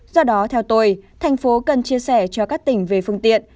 do đó theo tôi tp hcm cần chia sẻ cho các tỉnh về phương tiện